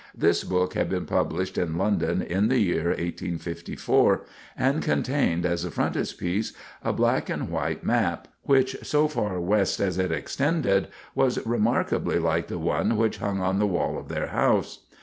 This book had been published in London in the year 1854, and contained as a frontispiece a black and white map, which, so far west as it extended, was remarkably like the one which hung on the wall of their house.